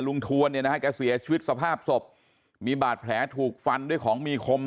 ทวนเนี่ยนะฮะแกเสียชีวิตสภาพศพมีบาดแผลถูกฟันด้วยของมีคม